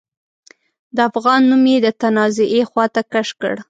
د افغان نوم يې د تنازعې خواته کش کړ.